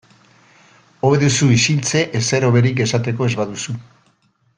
Hobe duzu isiltze ezer hoberik esateko ez baduzu.